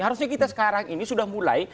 harusnya kita sekarang ini sudah mulai